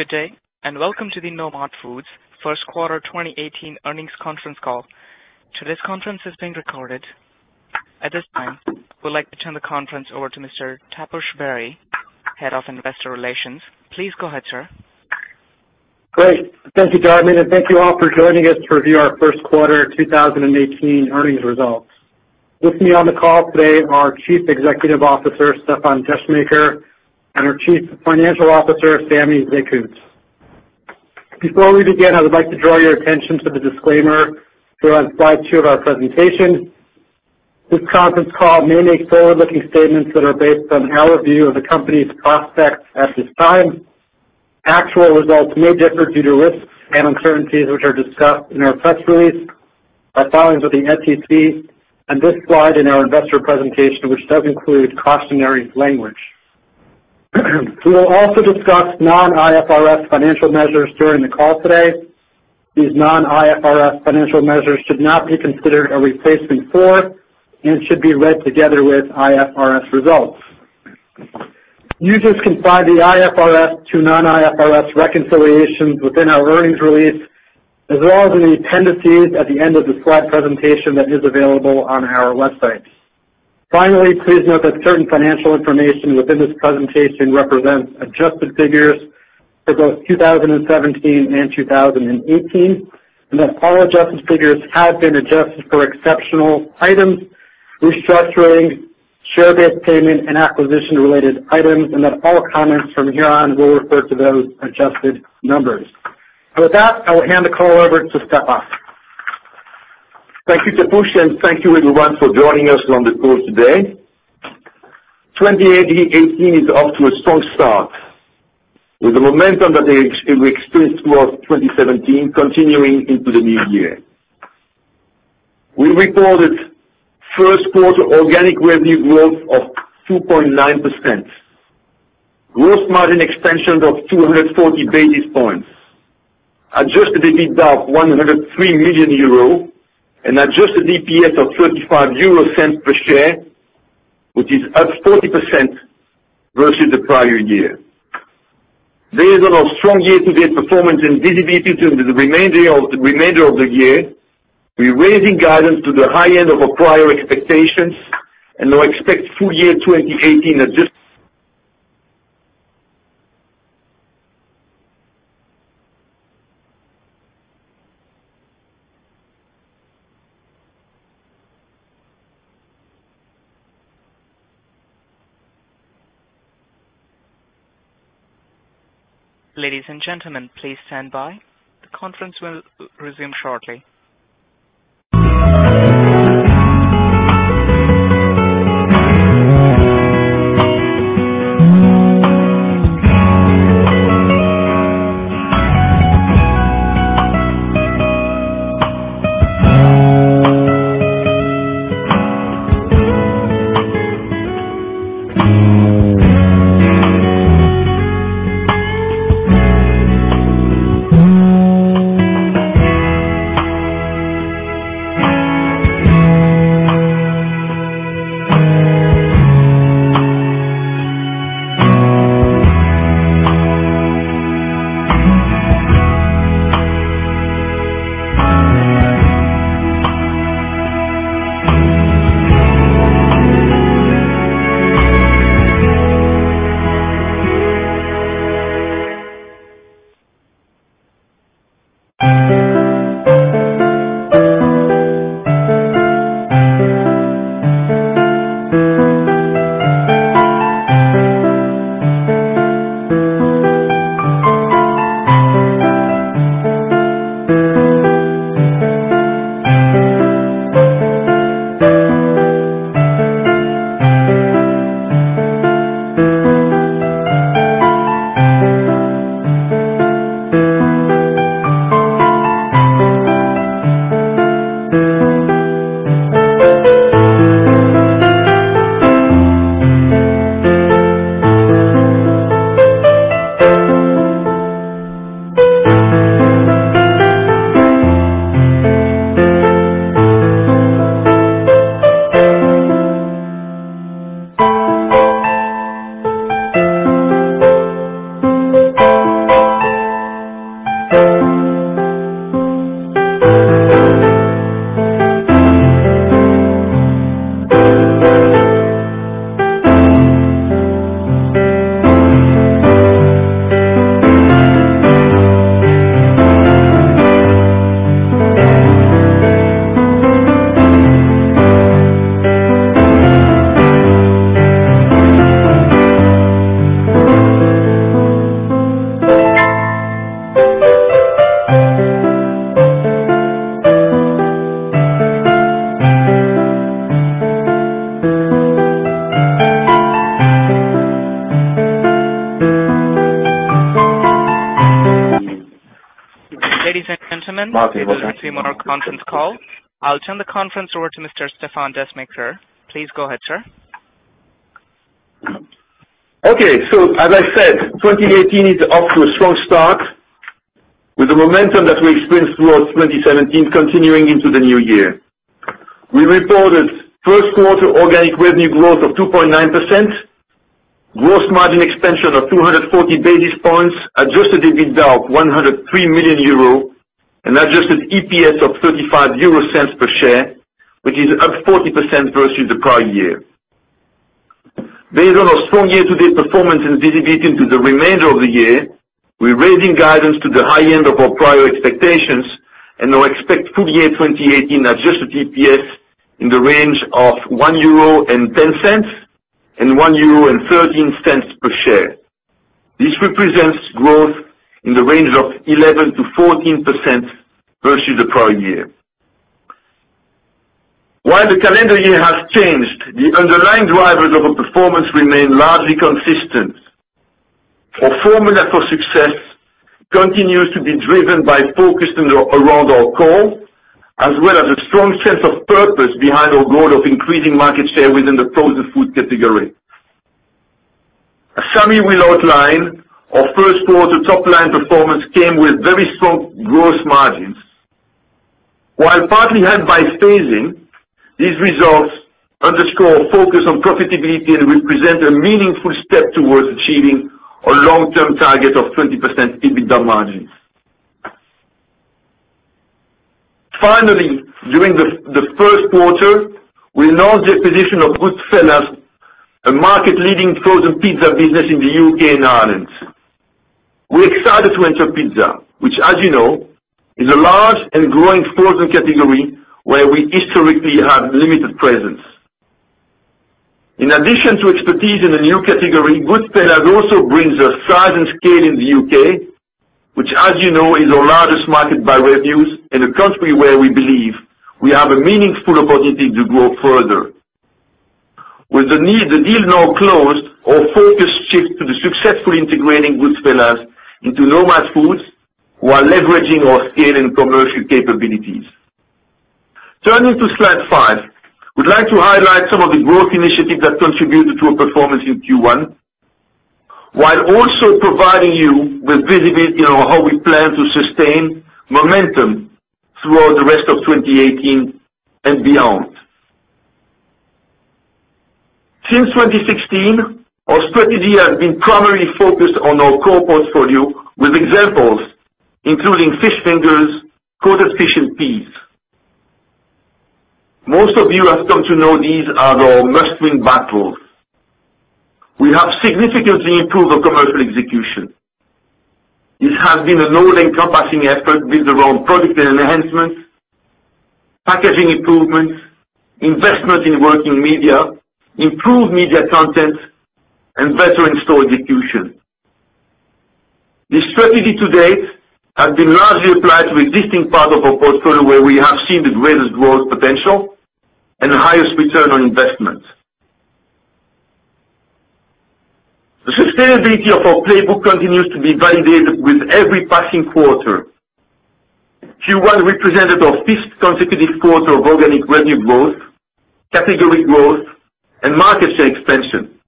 Good day, welcome to the Nomad Foods first quarter 2018 earnings conference call. Today's conference is being recorded. At this time, I would like to turn the conference over to Mr. Taposh Bari, Head of Investor Relations. Please go ahead, sir. Great. Thank you, Darwin, thank you all for joining us to review our first quarter 2018 earnings results. With me on the call today are Chief Executive Officer, Stéfan Descheemaeker, and our Chief Financial Officer, Samy Zekhout. Before we begin, I would like to draw your attention to the disclaimer here on slide two of our presentation. This conference call may make forward-looking statements that are based on our view of the company's prospects at this time. Actual results may differ due to risks and uncertainties, which are discussed in our press release by filings with the SEC and this slide in our investor presentation, which does include cautionary language. We will also discuss non-IFRS financial measures during the call today. These non-IFRS financial measures should not be considered a replacement for and should be read together with IFRS results. Users can find the IFRS to non-IFRS reconciliations within our earnings release, as well as in the appendices at the end of the slide presentation that is available on our website. Finally, please note that certain financial information within this presentation represents adjusted figures for both 2017 and 2018, that all adjusted figures have been adjusted for exceptional items, restructuring, share-based payment, and acquisition-related items, that all comments from here on will refer to those adjusted numbers. With that, I will hand the call over to Stéfan. Thank you, Taposh, thank you everyone for joining us on the call today. 2018 is off to a strong start, with the momentum that we experienced throughout 2017 continuing into the new year. We reported first quarter organic revenue growth of 2.9%, gross margin expansion of 240 basis points, adjusted EBITDA of 103 million euro, and adjusted EPS of 0.35 per share, which is up 40% versus the prior year. Based on our strong year-to-date performance and visibility into the remainder of the year, we're raising guidance to the high end of our prior expectations and now expect full year 2018 adjust- Ladies and gentlemen, please stand by. The conference will resume shortly. Ladies and gentlemen Welcome back. Welcome to Nomad conference call. I'll turn the conference over to Mr. Stéfan Descheemaeker. Please go ahead, sir. Okay. As I said, 2018 is off to a strong start With the momentum that we experienced throughout 2017 continuing into the new year. We reported first quarter organic revenue growth of 2.9%, gross margin expansion of 240 basis points, adjusted EBITDA of EUR 103 million, and adjusted EPS of 0.35 per share, which is up 40% versus the prior year. Based on our strong year-to-date performance and visibility into the remainder of the year, we're raising guidance to the high end of our prior expectations, and now expect full year 2018 adjusted EPS in the range of EUR 1.10 and 1.13 euro per share. This represents growth in the range of 11%-14% versus the prior year. While the calendar year has changed, the underlying drivers of our performance remain largely consistent. Our formula for success continues to be driven by focus around our core, as well as a strong sense of purpose behind our goal of increasing market share within the frozen food category. As Samy will outline, our first quarter top-line performance came with very strong gross margins. While partly helped by spacing, these results underscore our focus on profitability and represent a meaningful step towards achieving our long-term target of 20% EBITDA margins. Finally, during the first quarter, we announced the acquisition of Goodfella's, a market-leading frozen pizza business in the U.K. and Ireland. We're excited to enter pizza, which as you know, is a large and growing frozen category where we historically have limited presence. In addition to expertise in the new category, Goodfella's also brings a size and scale in the U.K., which, as you know, is our largest market by revenues in a country where we believe we have a meaningful opportunity to grow further. With the deal now closed, our focus shifts to successfully integrating Goodfella's into Nomad Foods while leveraging our scale and commercial capabilities. Turning to slide five. We'd like to highlight some of the growth initiatives that contributed to our performance in Q1, while also providing you with visibility on how we plan to sustain momentum throughout the rest of 2018 and beyond. Since 2016, our strategy has been primarily focused on our core portfolio, with examples including fish fingers, coated fish and Pease. Most of you have come to know these as our must-win battles. We have significantly improved our commercial execution. This has been an all-encompassing effort built around product enhancements, packaging improvements, investment in working media, improved media content, and better in-store execution. This strategy to date has been largely applied to existing parts of our portfolio where we have seen the greatest growth potential and highest return on investment. The sustainability of our playbook continues to be validated with every passing quarter. Q1 represented our fifth consecutive quarter of organic revenue growth, category growth, and market share expansion.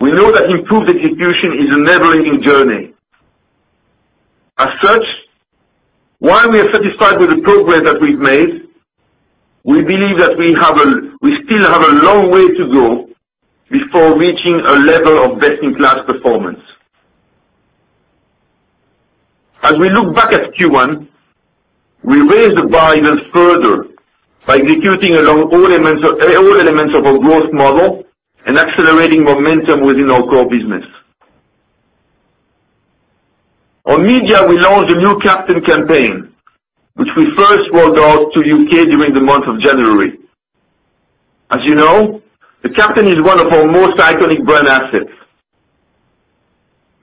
We know that improved execution is a never-ending journey. As such, while we are satisfied with the progress that we've made, we believe that we still have a long way to go before reaching a level of best-in-class performance. As we look back at Q1, we raised the bar even further by executing along all elements of our growth model and accelerating momentum within our core business. On media, we launched a new Captain campaign, which we first rolled out to U.K. during the month of January. As you know, the Captain is one of our most iconic brand assets.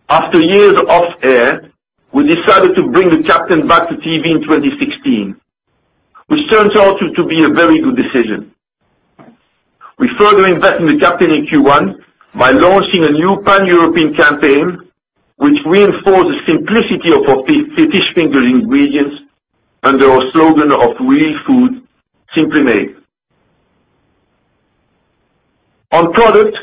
After years off air, we decided to bring the Captain back to TV in 2016, which turned out to be a very good decision. We further invest in the Captain in Q1 by launching a new pan-European campaign, which reinforces simplicity of our fish finger ingredients under our slogan of "Real food, simply made." On product,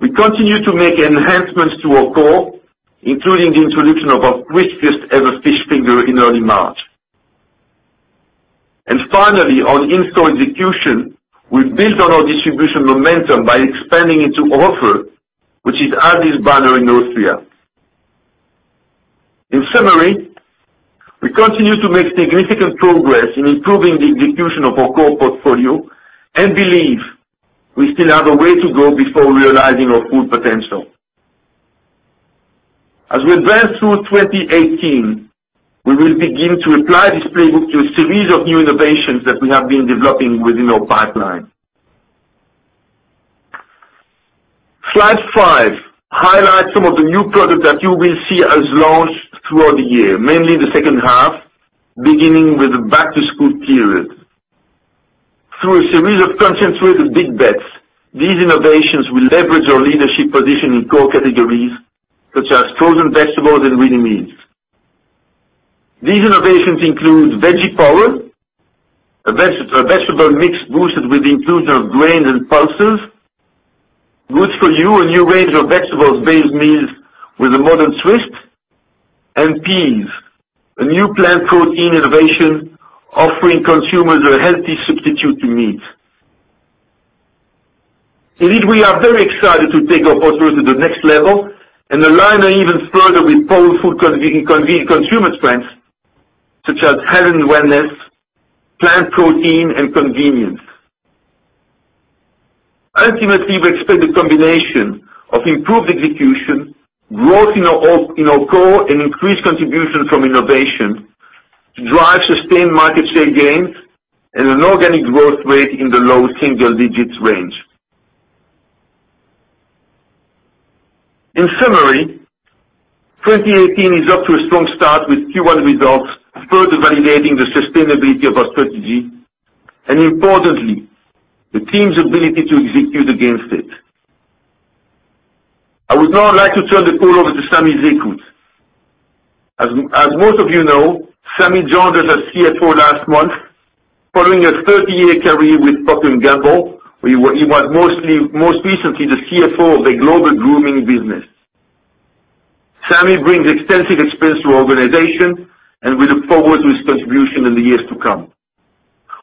we continue to make enhancements to our core, including the introduction of our crispiest ever fish finger in early March. Finally, on in-store execution, we've built on our distribution momentum by expanding into Hofer, which is Aldi's banner in Austria. In summary, we continue to make significant progress in improving the execution of our core portfolio and believe we still have a way to go before realizing our full potential. As we advance through 2018, we will begin to apply this playbook to a series of new innovations that we have been developing within our pipeline. Slide five highlights some of the new products that you will see us launch throughout the year, mainly in the second half, beginning with the back-to-school period. Through a series of concentrated big bets, these innovations will leverage our leadership position in core categories such as frozen vegetables and ready meals. These innovations include Veggie Power, a vegetable mix boosted with the inclusion of grains and pulses. Good For You, a new range of vegetables-based meals with a modern twist, and Pease, a new plant protein innovation offering consumers a healthy substitute to meat. We are very excited to take our portfolio to the next level and align even further with powerful convenient consumer strengths, such as health and wellness, plant protein, and convenience. Ultimately, we expect a combination of improved execution, growth in our core, and increased contribution from innovation to drive sustained market share gains and an organic growth rate in the low single digits range. In summary, 2018 is off to a strong start, with Q1 results further validating the sustainability of our strategy and, importantly, the team's ability to execute against it. I would now like to turn the call over to Samy Zekhout. As most of you know, Samy joined as our CFO last month following a 30-year career with Procter & Gamble, where he was most recently the CFO of the global grooming business. Samy brings extensive experience to our organization. We look forward to his contribution in the years to come.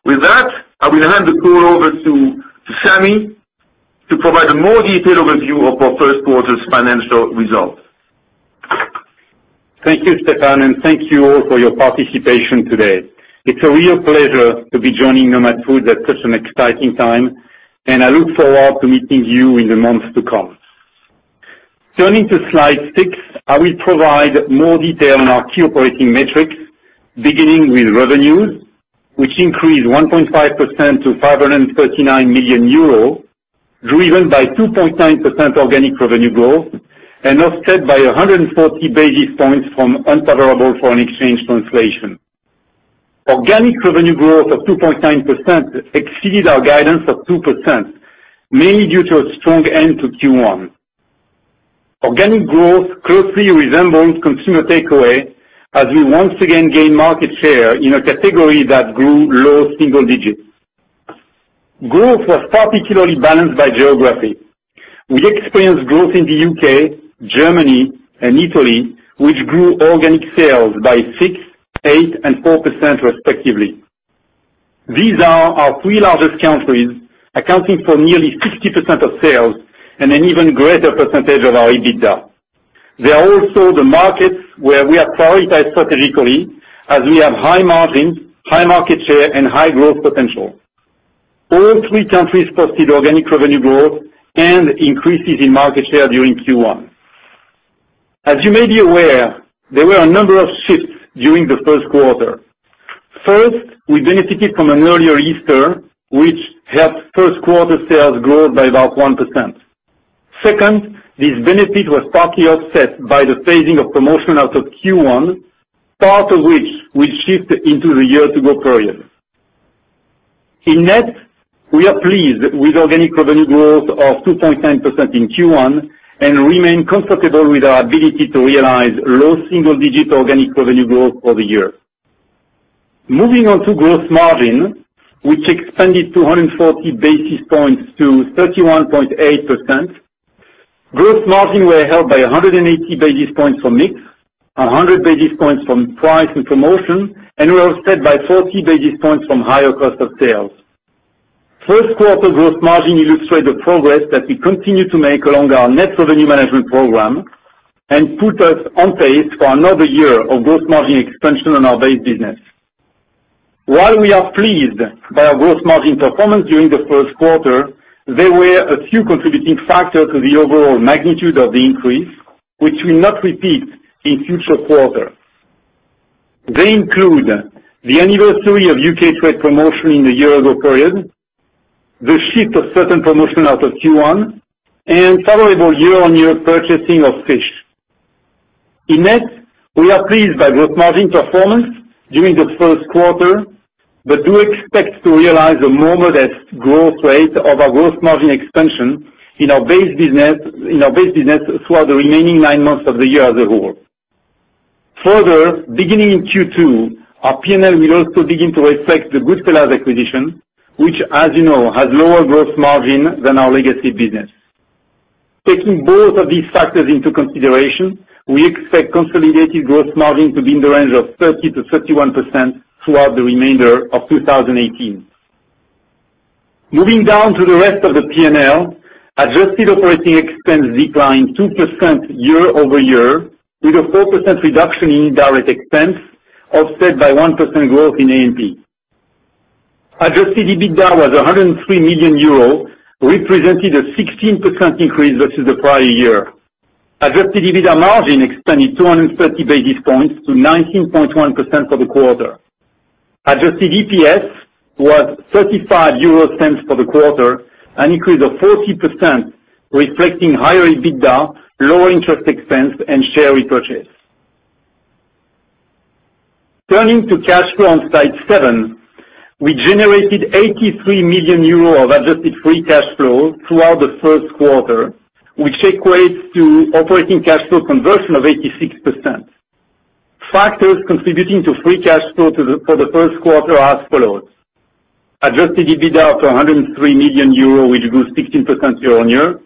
With that, I will hand the call over to Samy to provide a more detailed review of our first quarter's financial results. Thank you, Stéfan. Thank you all for your participation today. It's a real pleasure to be joining Nomad Foods at such an exciting time. I look forward to meeting you in the months to come. Turning to Slide six, I will provide more detail on our key operating metrics, beginning with revenues, which increased 1.5% to 539 million euros, driven by 2.9% organic revenue growth and offset by 140 basis points from unfavorable foreign exchange translation. Organic revenue growth of 2.9% exceeded our guidance of 2%, mainly due to a strong end to Q1. Organic growth closely resembles consumer takeaway as we once again gain market share in a category that grew low single digits. Growth was particularly balanced by geography. We experienced growth in the U.K., Germany, and Italy, which grew organic sales by 6%, 8%, and 4% respectively. These are our three largest countries, accounting for nearly 60% of sales and an even greater percentage of our EBITDA. They are also the markets where we are prioritized strategically as we have high margins, high market share, and high growth potential. All three countries posted organic revenue growth and increases in market share during Q1. As you may be aware, there were a number of shifts during the first quarter. First, we benefited from an earlier Easter, which helped first quarter sales grow by about 1%. Second, this benefit was partly offset by the phasing of promotion out of Q1, part of which will shift into the year-to-go period. In net, we are pleased with organic revenue growth of 2.9% in Q1 and remain comfortable with our ability to realize low single-digit organic revenue growth for the year. Moving on to gross margin, which expanded to 240 basis points to 31.8%. Gross margin were held by 180 basis points from mix, 100 basis points from price and promotion, and were offset by 40 basis points from higher cost of sales. First quarter gross margin illustrate the progress that we continue to make along our net revenue management program and put us on pace for another year of gross margin expansion on our base business. While we are pleased by our gross margin performance during the first quarter, there were a few contributing factors to the overall magnitude of the increase, which will not repeat in future quarters. They include the anniversary of U.K. trade promotion in the year-ago period, the shift of certain promotion out of Q1, and favorable year-on-year purchasing of fish. In net, we are pleased by gross margin performance during the first quarter but do expect to realize a more modest growth rate of our gross margin expansion in our base business throughout the remaining nine months of the year as a whole. Beginning in Q2, our P&L will also begin to reflect the Goodfella's acquisition, which, as you know, has lower gross margin than our legacy business. Taking both of these factors into consideration, we expect consolidated gross margin to be in the range of 30%-31% throughout the remainder of 2018. Moving down to the rest of the P&L, adjusted operating expense declined 2% year-over-year, with a 4% reduction in indirect expense offset by 1% growth in A&P. Adjusted EBITDA was €103 million, representing a 16% increase versus the prior year. Adjusted EBITDA margin expanded 230 basis points to 19.1% for the quarter. Adjusted EPS was €0.35 for the quarter, an increase of 40%, reflecting higher EBITDA, lower interest expense, and share repurchase. Turning to cash flow on Slide seven, we generated €83 million of adjusted free cash flow throughout the first quarter, which equates to operating cash flow conversion of 86%. Factors contributing to free cash flow for the first quarter are as follows: adjusted EBITDA of €103 million, which grew 16% year-on-year.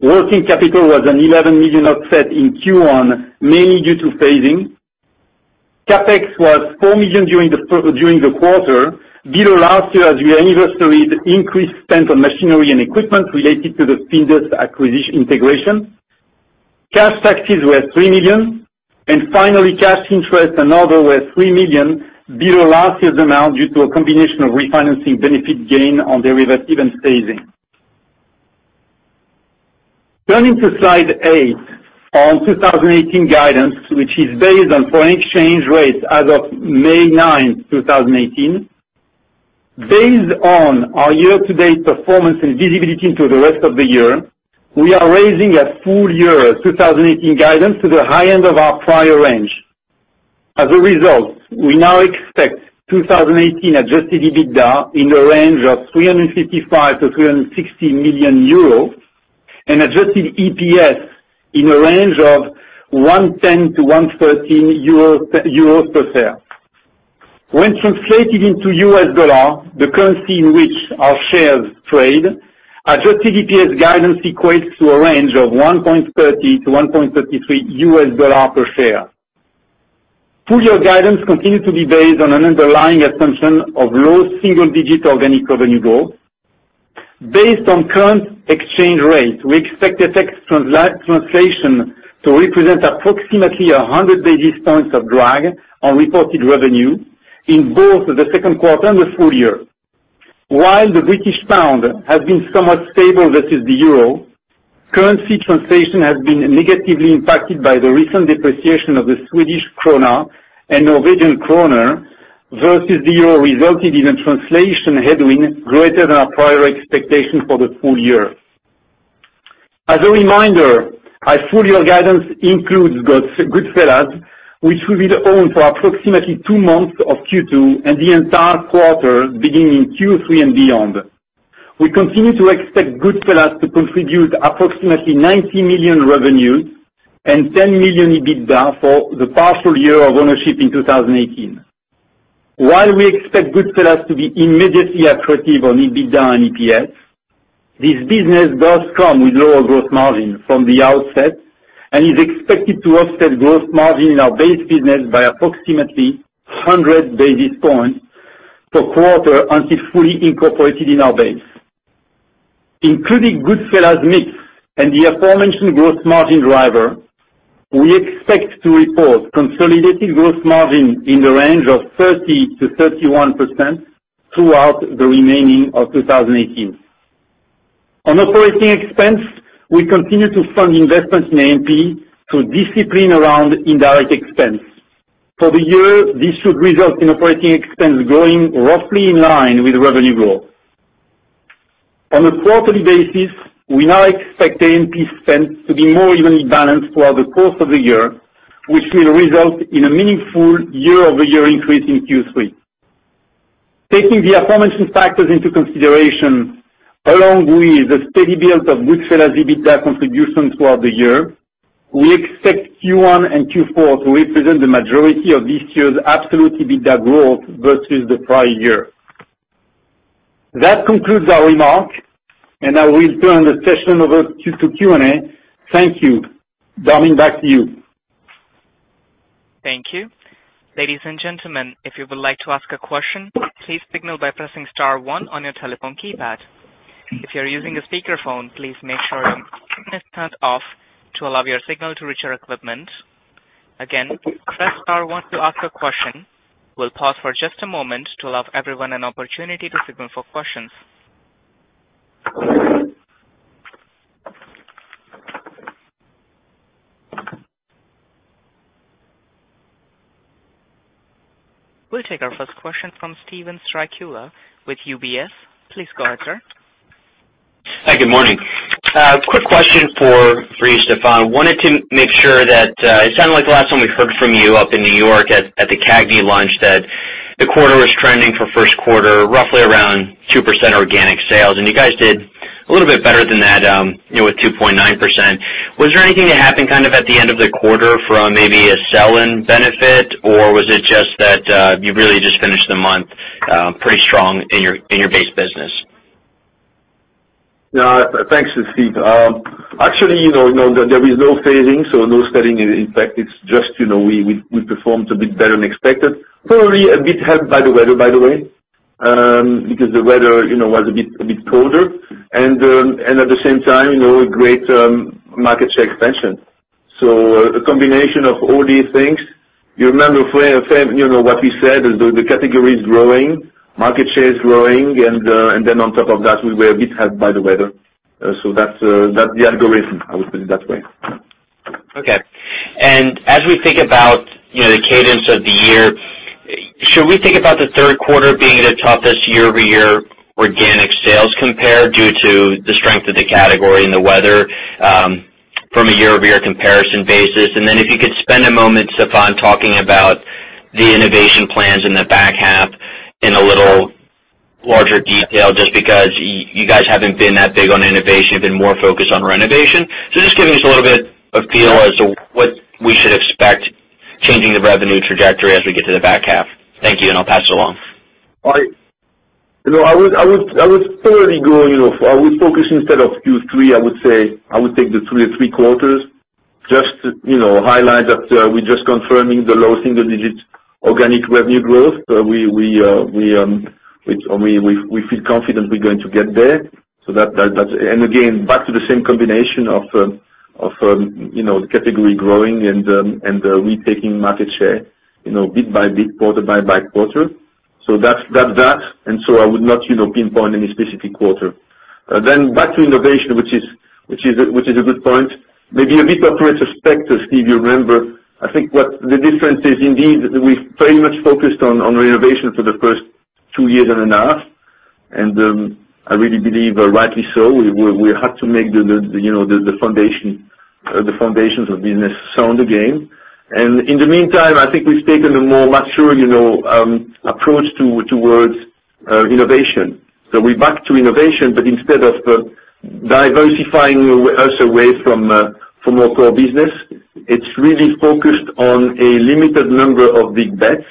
Working capital was an 11 million upset in Q1, mainly due to phasing. CapEx was 4 million during the quarter, below last year as we anniversaried increased spend on machinery and equipment related to the Findus acquisition integration. Cash taxes were 3 million, and finally, cash interest and other was 3 million, below last year's amount due to a combination of refinancing benefit gain on derivative and phasing. Turning to slide eight on 2018 guidance, which is based on foreign exchange rates as of May 9, 2018. Based on our year-to-date performance and visibility into the rest of the year, we are raising our full year 2018 guidance to the high end of our prior range. As a result, we now expect 2018 adjusted EBITDA in the range of 355 million-360 million euros and adjusted EPS in the range of 1.10-1.13 euros per share. When translated into U.S. dollar, the currency in which our shares trade, adjusted EPS guidance equates to a range of $1.30-$1.33 per share. Full-year guidance continue to be based on an underlying assumption of low single-digit organic revenue growth. Based on current exchange rate, we expect FX translation to represent approximately 100 basis points of drag on reported revenue in both the second quarter and the full year. While the British pound has been somewhat stable versus the euro, currency translation has been negatively impacted by the recent depreciation of the Swedish krona and Norwegian krona versus the euro, resulting in a translation headwind greater than our prior expectation for the full year. As a reminder, our full-year guidance includes Goodfella's, which will be owned for approximately two months of Q2 and the entire quarter beginning Q3 and beyond. We continue to expect Goodfella's to contribute approximately 90 million revenue and 10 million EBITDA for the partial year of ownership in 2018. While we expect Goodfella's to be immediately accretive on EBITDA and EPS, this business does come with lower gross margin from the outset and is expected to offset gross margin in our base business by approximately 100 basis points per quarter until fully incorporated in our base. Including Goodfella's mix and the aforementioned gross margin driver, we expect to report consolidated gross margin in the range of 30%-31% throughout the remaining of 2018. On operating expense, we continue to fund investments in A&P through discipline around indirect expense. For the year, this should result in operating expense growing roughly in line with revenue growth. On a quarterly basis, we now expect A&P spend to be more evenly balanced throughout the course of the year, which will result in a meaningful year-over-year increase in Q3. Taking the aforementioned factors into consideration, along with the steady build of Goodfella's EBITDA contribution throughout the year, we expect Q1 and Q4 to represent the majority of this year's absolute EBITDA growth versus the prior year. That concludes our remarks, and I will turn the session over to Q&A. Thank you. Darwin, back to you. Thank you. Ladies and gentlemen, if you would like to ask a question, please signal by pressing star one on your telephone keypad. If you're using a speakerphone, please make sure mute button is turned off to allow your signal to reach our equipment. Again, press star one to ask a question. We'll pause for just a moment to allow everyone an opportunity to signal for questions. We'll take our first question from Steven Strycula with UBS. Please go ahead, sir. Hi, good morning. Quick question for you, Stéfan. Wanted to make sure that it sounded like the last time we heard from you up in New York at the CAGNY launch that the quarter was trending for first quarter, roughly around 2% organic sales. You guys did a little bit better than that, with 2.9%. Was there anything that happened kind of at the end of the quarter from maybe a sell-in benefit? Was it just that you really just finished the month pretty strong in your base business? Thanks, Steven. Actually, there is no phasing, so no sell-in. In fact, it's just we performed a bit better than expected. Probably a bit helped by the weather, by the way, because the weather was a bit colder and at the same time, a great market share expansion. A combination of all these things. You remember what we said, the category is growing, market share is growing, on top of that, we were a bit helped by the weather. That's the algorithm, I would put it that way. Okay. As we think about the cadence of the year, should we think about the third quarter being the toughest year-over-year organic sales compare due to the strength of the category and the weather, from a year-over-year comparison basis? If you could spend a moment, Stéfan, talking about the innovation plans in the back half in a little larger detail, just because you guys haven't been that big on innovation. You've been more focused on renovation. Just give me a little bit of feel as to what we should expect, changing the revenue trajectory as we get to the back half. Thank you, and I'll pass it along. I would focus instead of Q3, I would take the three quarters just to highlight that we're just confirming the low single-digit organic revenue growth. We feel confident we're going to get there. Again, back to the same combination of category growing and retaking market share, bit by bit, quarter by quarter. That's that, I would not pinpoint any specific quarter. Back to innovation, which is a good point. Maybe a bit of retrospect, Steven, you remember, I think what the difference is, indeed, we've very much focused on renovation for the first two years and a half. I really believe rightly so. We had to make the foundations of business sound again. In the meantime, I think we've taken a more mature approach towards innovation. We're back to innovation, but instead of diversifying us away from our core business, it's really focused on a limited number of big bets.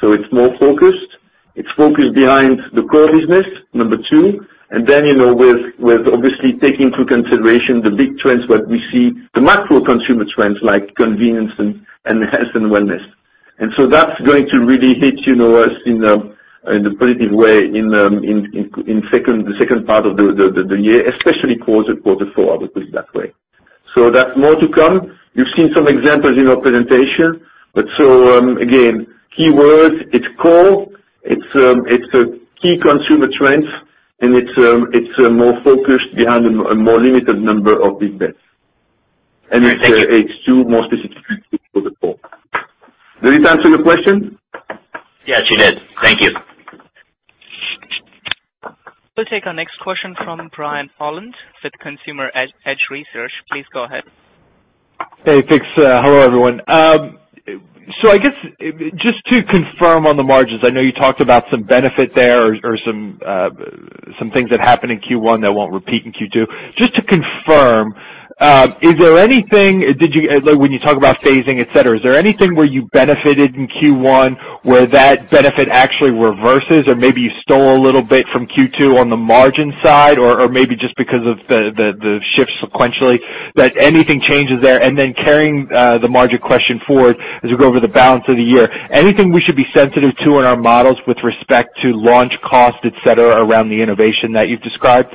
It's more focused. It's focused behind the core business, number 2, and then, with obviously taking into consideration the big trends, what we see, the macro consumer trends like convenience and health and wellness. That's going to really hit us in the positive way in the second part of the year, especially quarter four, I would put it that way. That's more to come. You've seen some examples in our presentation. Again, keywords, it's core, it's key consumer trends, and it's more focused behind a more limited number of big bets. All right. Thank you. It's two more specific things for the fourth. Did it answer your question? Yes, you did. Thank you. We'll take our next question from Brian Holland with Consumer Edge Research. Please go ahead. Hey, thanks. Hello, everyone. I guess just to confirm on the margins, I know you talked about some benefit there or some things that happened in Q1 that won't repeat in Q2. Just to confirm, when you talk about phasing, et cetera, is there anything where you benefited in Q1 where that benefit actually reverses or maybe you stole a little bit from Q2 on the margin side, or maybe just because of the shift sequentially, that anything changes there? Then carrying the margin question forward as we go over the balance of the year, anything we should be sensitive to in our models with respect to launch cost, et cetera, around the innovation that you've described?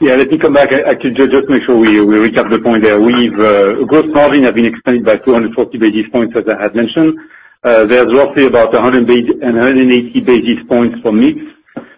Let me come back. Actually, just make sure we recap the point there. Gross margin has been expanded by 240 basis points as I had mentioned. There's roughly about 180 basis points from mix,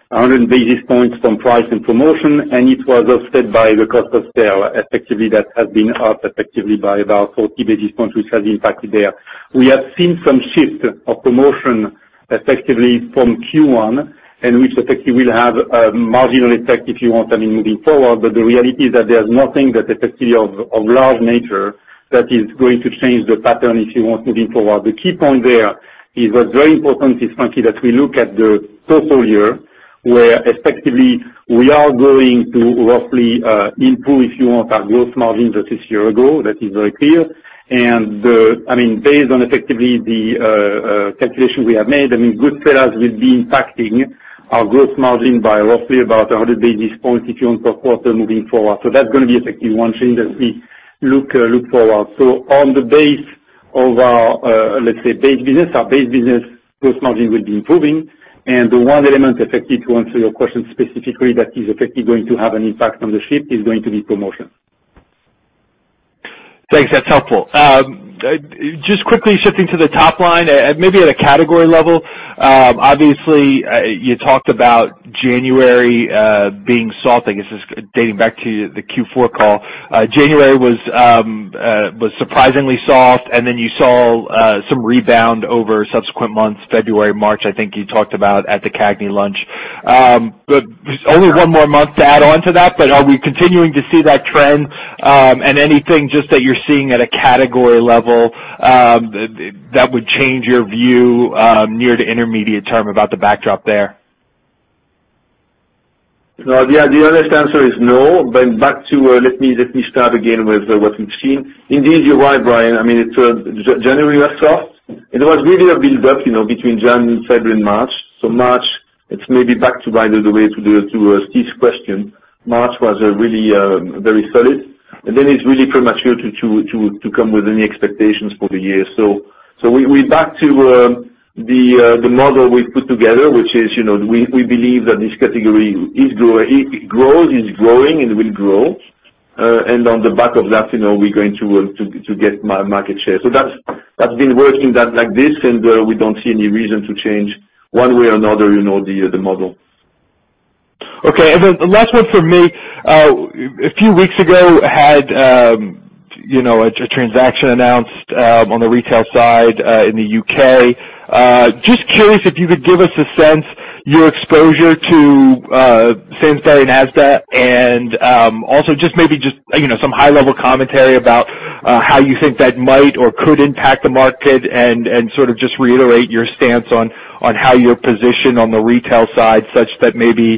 100 basis points from price and promotion, and it was offset by the cost of sale effectively that has been up effectively by about 40 basis points, which has impacted there. We have seen some shift of promotion effectively from Q1, which effectively will have a marginal effect, if you want, I mean, moving forward. The reality is that there's nothing that effectively of large nature that is going to change the pattern, if you want, moving forward. The key point there is what's very important is frankly that we look at the total year, where effectively we are going to roughly improve, if you want, our gross margin versus year-ago. That is very clear. Based on effectively the calculation we have made, Goodfella's will be impacting our gross margin by roughly about 100 basis points, if you want, per quarter moving forward. That's going to be effectively one thing that we look forward. On the base of our, let's say, base business, our base business gross margin will be improving. The one element effective to answer your question specifically that is effectively going to have an impact on the shift is going to be promotion. Thanks. That's helpful. Just quickly shifting to the top line, maybe at a category level. Obviously, you talked about January being soft. I guess this dating back to the Q4 call. January was surprisingly soft, and then you saw some rebound over subsequent months, February, March, I think you talked about at the CAGNY lunch. There's only one more month to add onto that, but are we continuing to see that trend? Anything just that you're seeing at a category level that would change your view, near to intermediate term about the backdrop there? The honest answer is no, but back to, let me start again with what we've seen. Indeed, you're right, Brian. I mean, January was soft. It was really a build-up between Jan, February, and March. March, it's maybe back to by the way to Steve's question. March was really very solid. Then it's really premature to come with any expectations for the year. We're back to the model we've put together, which is we believe that this category is growing and will grow. On the back of that, we're going to get market share. That's been working like this, and we don't see any reason to change one way or another the model. Okay. Last one from me. A few weeks ago, had a transaction announced on the retail side in the U.K. Just curious if you could give us a sense, your exposure to Sainsbury's and Asda, and also just maybe just some high-level commentary about how you think that might or could impact the market, and just reiterate your stance on how you're positioned on the retail side such that maybe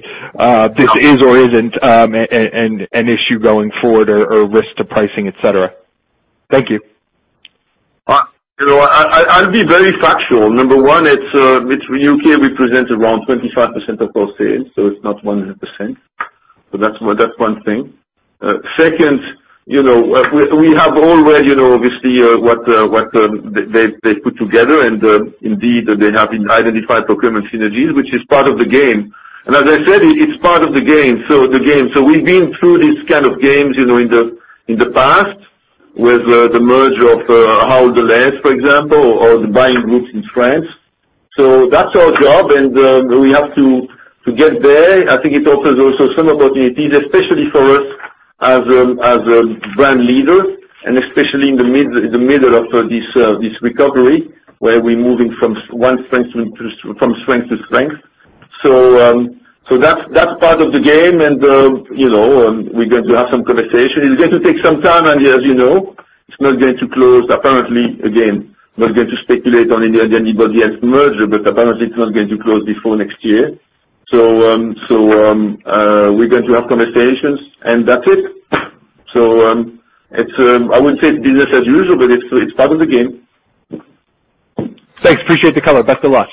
this is or isn't an issue going forward or a risk to pricing, et cetera. Thank you. I'll be very factual. Number one, U.K. represents around 25% of our sales, so it's not 100%. That's one thing. Second, we have already obviously, what they've put together, and indeed, they have identified procurement synergies, which is part of the game. As I said, it's part of the game. We've been through these kind of games in the past with the merger of [Haldene's], for example, or the buying groups in France. That's our job, and we have to get there. I think it offers also some opportunities, especially for us as a brand leader, and especially in the middle of this recovery, where we're moving from strength to strength. That's part of the game, and we're going to have some conversations. It's going to take some time. As you know, it's not going to close, apparently, again, not going to speculate on anybody else's merger, but apparently, it's not going to close before next year. We're going to have conversations, and that's it. I wouldn't say business as usual, but it's part of the game. Thanks. Appreciate the color. Best of luck.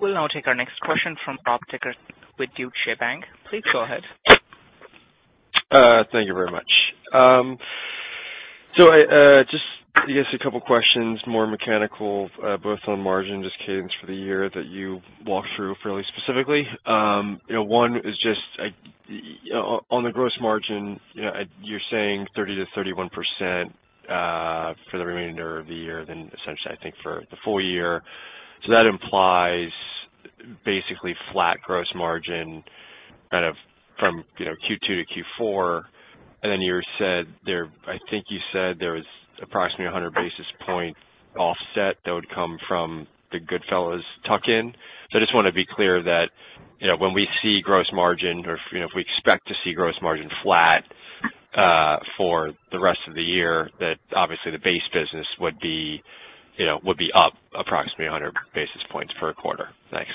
We'll now take our next question from Rob Dickerson with Deutsche Bank. Please go ahead. Thank you very much. Just I guess a couple of questions, more mechanical, both on margin, just cadence for the year that you walked through fairly specifically. One is just, on the gross margin, you're saying 30%-31% for the remainder of the year, then essentially, I think for the full year. That implies basically flat gross margin from Q2 to Q4. Then I think you said there was approximately 100 basis point offset that would come from the Goodfella's tuck in. I just want to be clear that when we see gross margin or if we expect to see gross margin flat for the rest of the year, that obviously the base business would be up approximately 100 basis points for a quarter. Thanks.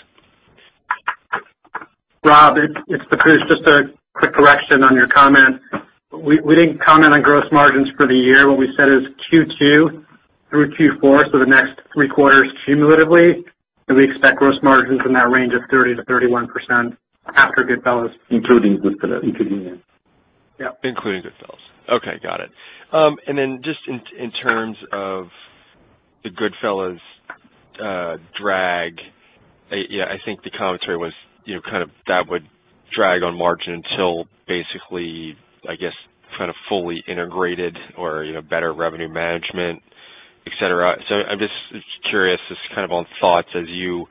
Rob, it's Taposh. Just a quick correction on your comment. We didn't comment on gross margins for the year. What we said is Q2 through Q4, so the next three quarters cumulatively, we expect gross margins in that range of 30%-31% after Goodfella's. Including Goodfella's. Yep. Including Goodfella's. Okay. Got it. Then just in terms of the Goodfella's drag, I think the commentary was that would drag on margin until basically, I guess, kind of fully integrated or better revenue management, et cetera. I'm just curious, just on thoughts as you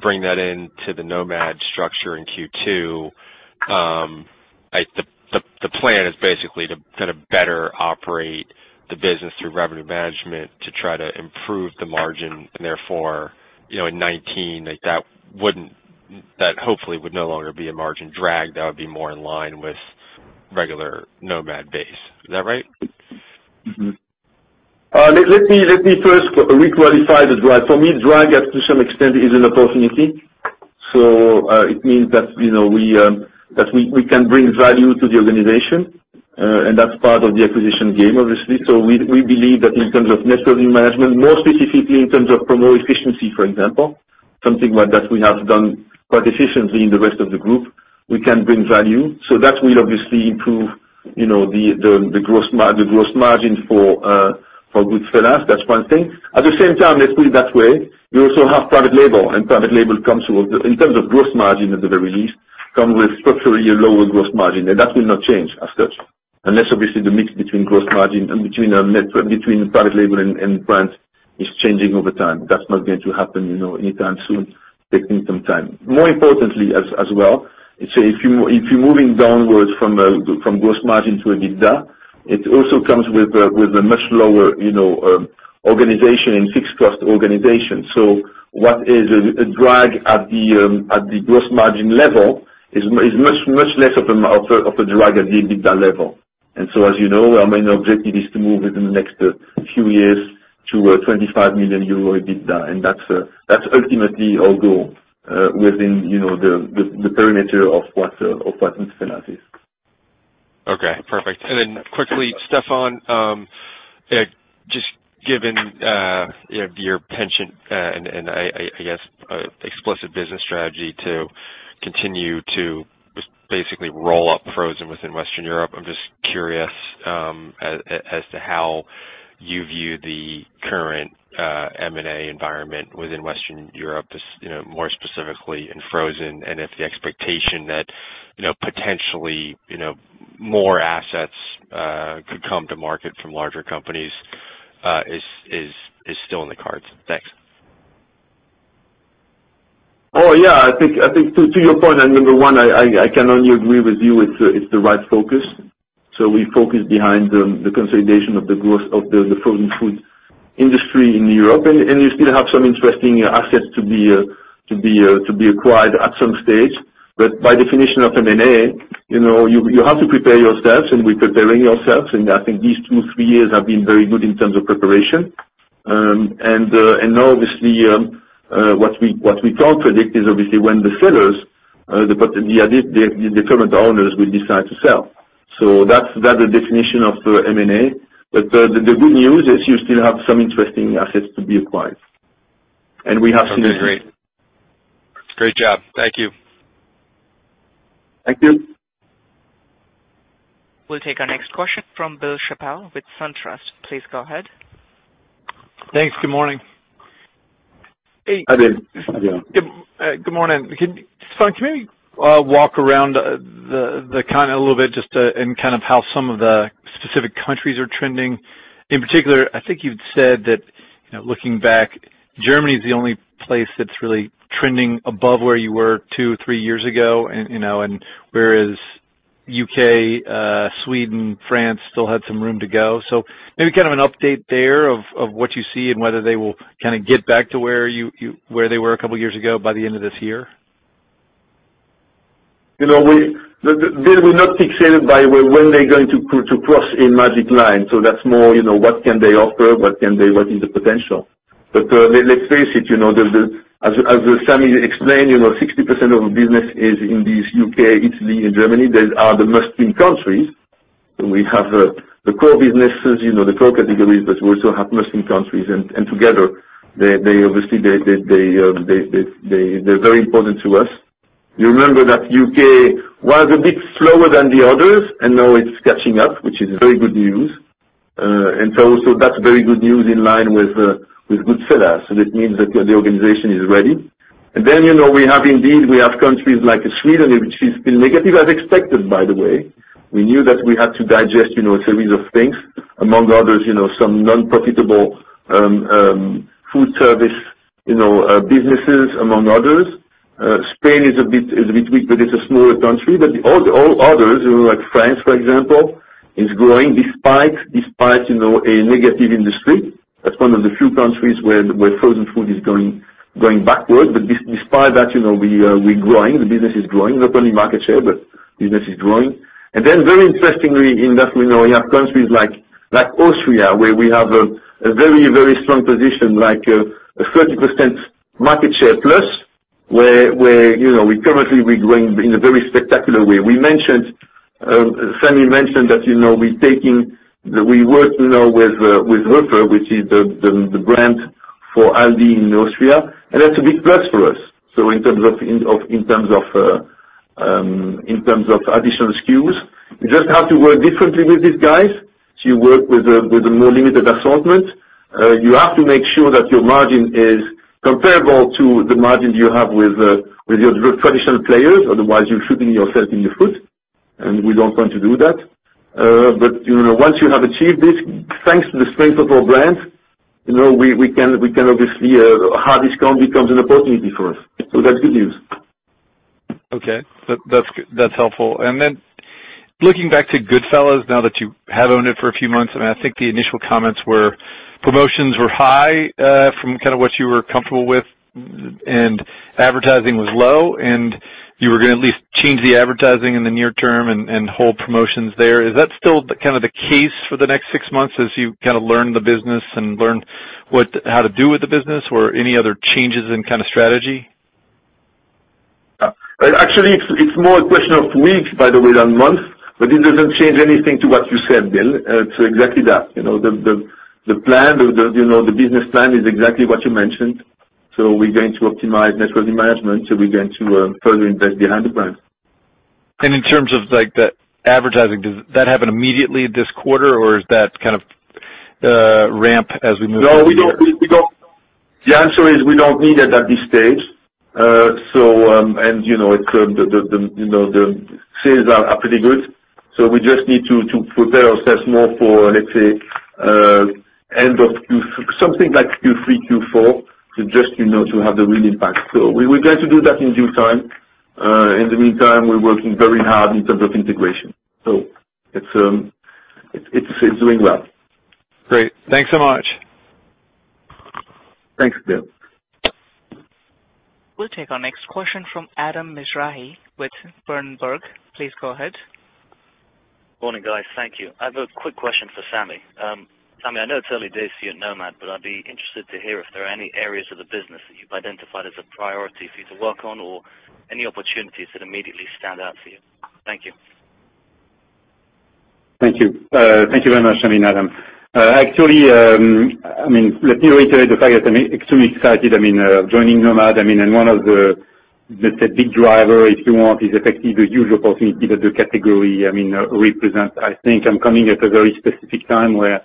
bring that into the Nomad structure in Q2. The plan is basically to kind of better operate the business through revenue management to try to improve the margin and therefore, in 2019, that hopefully would no longer be a margin drag, that would be more in line with regular Nomad base. Is that right? Let me first re-qualify the drag. For me, drag, up to some extent, is an opportunity. It means that we can bring value to the organization, and that's part of the acquisition game, obviously. We believe that in terms of net revenue management, more specifically in terms of promo efficiency, for example, something like that we have done quite efficiently in the rest of the group, we can bring value. That will obviously improve the gross margin for Goodfella's. That's one thing. At the same time, let's put it that way, we also have private label, private label comes with, in terms of gross margin at the very least, comes with structurally lower gross margin, that will not change as such, unless obviously the mix between gross margin and between private label and brand is changing over time. That's not going to happen anytime soon. Taking some time. More importantly as well, if you're moving downwards from gross margin to EBITDA, it also comes with a much lower organization and fixed cost organization. What is a drag at the gross margin level is much less of a drag at the EBITDA level. As you know, our main objective is to move within the next few years to a 25 million euro EBITDA, and that's ultimately our goal within the perimeter of what Goodfella's is. Okay, perfect. Quickly, Stéfan, just given your penchant and I guess explicit business strategy to continue to just basically roll up frozen within Western Europe, I'm just curious as to how you view the current M&A environment within Western Europe, more specifically in frozen, and if the expectation that potentially more assets could come to market from larger companies is still in the cards. Thanks. Oh, yeah. I think to your point, number one, I can only agree with you, it's the right focus. We focus behind the consolidation of the growth of the frozen food industry in Europe. You still have some interesting assets to be acquired at some stage. By definition of M&A, you have to prepare yourselves, and we're preparing ourselves. I think these two, three years have been very good in terms of preparation. Now obviously, what we can't predict is obviously when the sellers, the current owners, will decide to sell. That's the definition of M&A. The good news is you still have some interesting assets to be acquired, and we have some. Okay, great. Great job. Thank you. Thank you. We'll take our next question from Bill Chappell with SunTrust. Please go ahead. Thanks. Good morning. Hi, Bill. Good morning. Stéfan, can we walk around the count a little bit just to, and kind of how some of the specific countries are trending? In particular, I think you'd said that looking back, Germany is the only place that's really trending above where you were two, three years ago, whereas U.K., Sweden, France still had some room to go. Maybe kind of an update there of what you see and whether they will get back to where they were a couple of years ago by the end of this year. They will not be excited by when they're going to cross a magic line. That's more, what can they offer? What is the potential? Let's face it, as Samy explained, 60% of business is in these U.K., Italy, and Germany. They are the must-win countries. We have the core businesses, the core categories, but we also have must-win countries, and together, obviously, they're very important to us. You remember that U.K. was a bit slower than the others, and now it's catching up, which is very good news. That's very good news in line with Goodfella's, so that means that the organization is ready. We have indeed, we have countries like Sweden, which is still negative as expected, by the way. We knew that we had to digest a series of things, among others, some non-profitable food service businesses, among others. Spain is a bit weak, but it's a smaller country. All others, like France, for example, is growing despite a negative industry. That's one of the few countries where frozen food is going backward. Despite that, we're growing. The business is growing, not only market share, but business is growing. Very interestingly enough, we have countries like Austria, where we have a very strong position, like a 30% market share plus, where currently we're growing in a very spectacular way. Samy mentioned that we work now with Hofer, which is the brand for Aldi in Austria, and that's a big plus for us. In terms of additional SKUs, you just have to work differently with these guys. You work with a more limited assortment. You have to make sure that your margin is comparable to the margin you have with your traditional players; otherwise, you're shooting yourself in the foot, and we don't want to do that. Once you have achieved this, thanks to the strength of our brands, obviously, a hard discount becomes an opportunity for us. That's good news. Okay. That's helpful. Looking back to Goodfella's, now that you have owned it for a few months, I think the initial comments were promotions were high from what you were comfortable with, advertising was low, and you were going to at least change the advertising in the near term and hold promotions there. Is that still the case for the next six months as you learn the business and learn how to do with the business, or any other changes in strategy? Actually, it's more a question of weeks, by the way, than months. It doesn't change anything to what you said, Bill. It's exactly that. The business plan is exactly what you mentioned. We're going to optimize net revenue management. We're going to further invest behind the brand. In terms of the advertising, does that happen immediately this quarter, or is that kind of ramp as we move through the year? The answer is we don't need it at this stage. The sales are pretty good. We just need to prepare ourselves more for, let's say, something like Q3, Q4, to just to have the real impact. We're going to do that in due time. In the meantime, we're working very hard in terms of integration. It's doing well. Great. Thanks so much. Thanks, Bill. We'll take our next question from Adam Mizrahi with Berenberg. Please go ahead. Morning, guys. Thank you. I have a quick question for Samy. Samy, I know it's early days for you at Nomad, but I'd be interested to hear if there are any areas of the business that you've identified as a priority for you to work on or any opportunities that immediately stand out for you. Thank you. Thank you. Thank you very much. I mean, Adam. Actually, let me reiterate the fact that I am extremely excited. I mean, joining Nomad, one of the big drivers, if you want, is effectively the huge opportunity that the category represents. I think I am coming at a very specific time where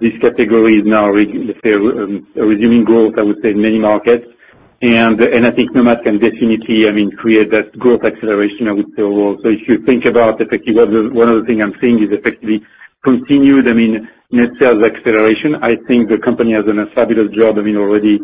this category is now resuming growth, I would say, in many markets. I think Nomad can definitely create that growth acceleration, I would say. If you think about effectively, one of the things I am seeing is effectively continued net sales acceleration. I think the company has done a fabulous job already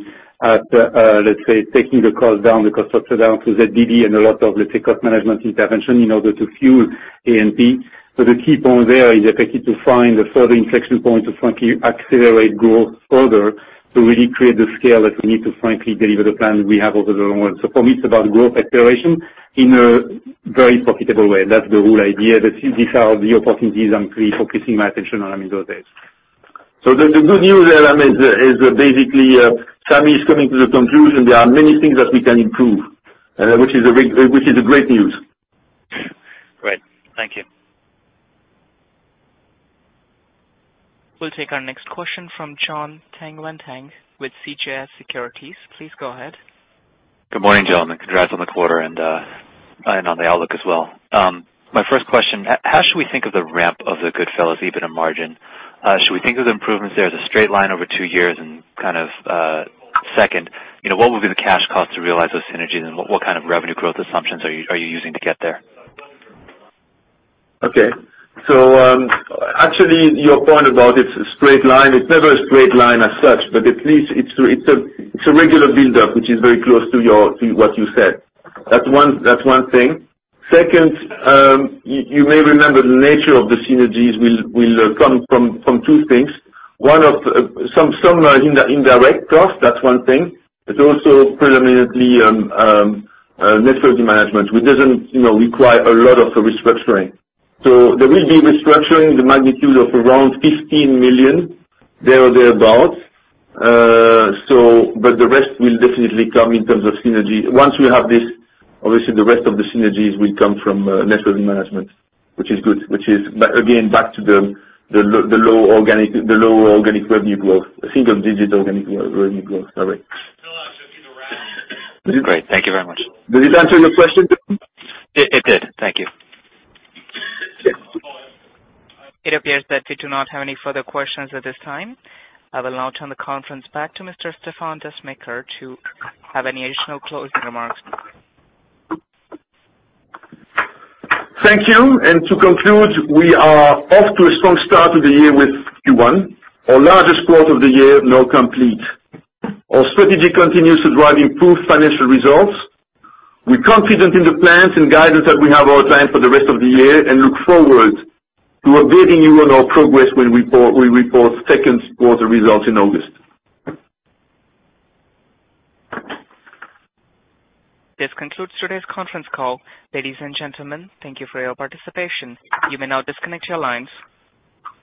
at, let's say, taking the cost down, the cost structure down through ZBB and a lot of, let's say, cost management intervention in order to fuel A&P. The key point there is effectively to find a further inflection point to frankly accelerate growth further, to really create the scale that we need to frankly deliver the plan that we have over the long run. For me, it is about growth acceleration in a very profitable way. That is the whole idea. These are the opportunities I am really focusing my attention on these days. The good news there is basically, Samy is coming to the conclusion there are many things that we can improve, which is great news. Great. Thank you. We'll take our next question from Jon Tanwanteng with CJS Securities. Please go ahead. Good morning, gentlemen. Congrats on the quarter and on the outlook as well. My first question, how should we think of the ramp of the Goodfella's EBITDA margin? Should we think of the improvements there as a straight line over two years? Second, what would be the cash cost to realize those synergies, and what kind of revenue growth assumptions are you using to get there? Okay. Actually, your point about it's a straight line, it's never a straight line as such, but at least it's a regular build-up, which is very close to what you said. That's one thing. Second, you may remember the nature of the synergies will come from two things. One of some indirect cost, that's one thing. Also predominantly, net revenue management, which doesn't require a lot of restructuring. There will be restructuring the magnitude of around 15 million, there or there about. The rest will definitely come in terms of synergy. Once we have this, obviously the rest of the synergies will come from net revenue management, which is good. Which is, again, back to the lower organic revenue growth, single digit organic revenue growth. Sorry. Great. Thank you very much. Did it answer your question? It did. Thank you. It appears that we do not have any further questions at this time. I will now turn the conference back to Mr. Stéfan Descheemaeker to have any additional closing remarks. Thank you. To conclude, we are off to a strong start of the year with Q1, our largest quarter of the year, now complete. Our strategy continues to drive improved financial results. We are confident in the plans and guidance that we have outlined for the rest of the year and look forward to updating you on our progress when we report second quarter results in August. This concludes today's conference call. Ladies and gentlemen, thank you for your participation. You may now disconnect your lines.